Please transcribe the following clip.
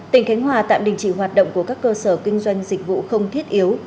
tỉnh khánh hòa tạm đình chỉ hoạt động của các cơ sở kinh doanh dịch vụ không thiết yếu